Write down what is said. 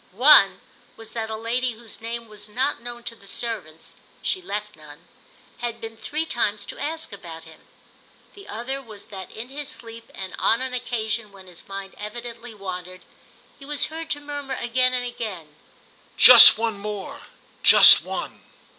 One was that a lady whose name was not known to the servants (she left none) had been three times to ask about him; the other was that in his sleep and on an occasion when his mind evidently wandered he was heard to murmur again and again: "Just one more—just one."